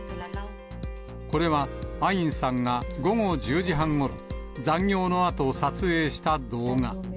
これは、アインさんが午後１０時半ごろ、残業のあと撮影した動画。